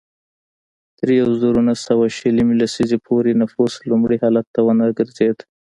تر یوه زرو نهه سوه شلمې لسیزې پورې نفوس لومړني حالت ته ونه ګرځېد.